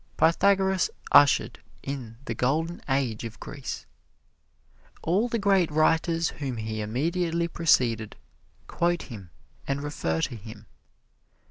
Pythagoras ushered in the Golden Age of Greece. All the great writers whom he immediately preceded, quote him and refer to him.